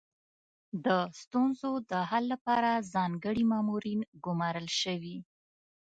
د ستونزو د حل لپاره ځانګړي مامورین ګمارل شوي.